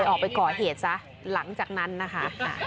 ออกไปก่อเหตุซะหลังจากนั้นนะคะ